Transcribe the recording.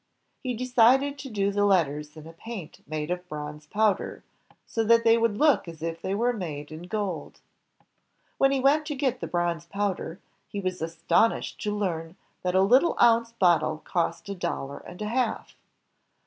He decided to do the letters in a paint made of bronze powder, so that they would look as if they were made in gold. When he went to get the bronze powder, he was astonished to learn that a little ounce bottle cost a dollar and a half.